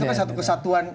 tapi itu kan satu kesatuan